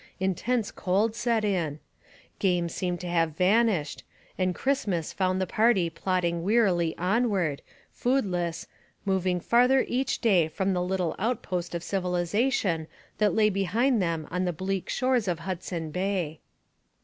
Intense cold set in. Game seemed to have vanished, and Christmas found the party plodding wearily onward, foodless, moving farther each day from the little outpost of civilization that lay behind them on the bleak shores of Hudson Bay.